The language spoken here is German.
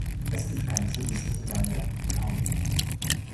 Es gibt keine Citys in Gallia County.